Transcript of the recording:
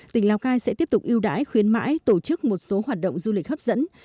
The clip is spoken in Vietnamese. tỉnh lào cai sẽ tiếp tục yêu đái khuyến mãi tổ chức một số hoạt động du lịch hấp dẫn